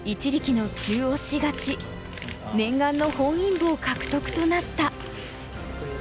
念願の本因坊獲得となった。